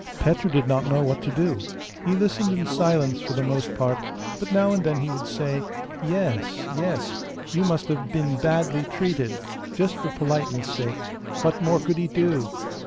Petru did not know what to do. He listened in silence for the most part, but now and then he would say, 'Yes, yes, you must have been badly treated,' just for politeness' sake; what more could he do?